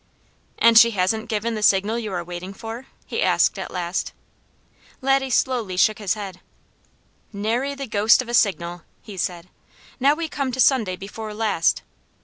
"And she hasn't given the signal you are waiting for?" he asked at last. Laddie slowly shook his head. "Nary the ghost of a signal!" he said. "Now we come to Sunday before last.